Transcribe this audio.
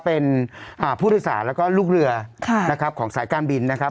เป็นผู้โดยสารและก็ลูกเรือของทรายการบินนะครับ